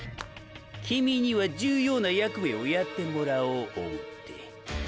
キミィには重要な役目をやってもらおう思うて。